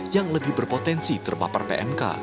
yang lebih berpotensi terpapar pmk